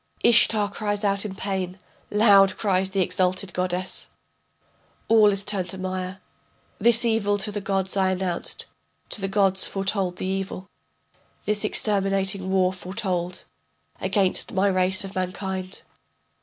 Ishtar cries out in pain, loud cries the exalted goddess: All is turned to mire. This evil to the gods I announced, to the gods foretold the evil. This exterminating war foretold Against my race of mankind.